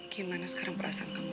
gimana sekarang perasaan kamu